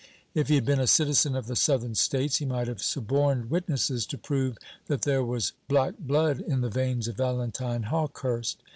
If he had been a citizen of the Southern States, he might have suborned witnesses to prove that there was black blood in the veins of Valentine Hawkehurst.